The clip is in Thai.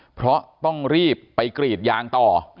เพราะต้องรีบไปกรีดยางต่อ